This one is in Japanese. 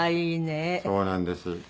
そうなんです。